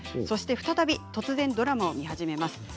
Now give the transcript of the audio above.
そして再び突然ドラマを見始めます。